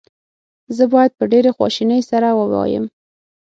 زه باید په ډېرې خواشینۍ سره ووایم.